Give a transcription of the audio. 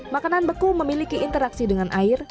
makanan beku memiliki interaksi dengan air